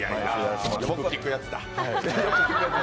よく聞くやつだ！